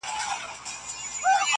اوس به څوك د جلالا ګودر ته يوسي،